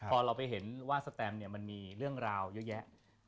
พอเราไปเห็นว่าสแตมเนี่ยมันมีเรื่องราวเยอะแยะ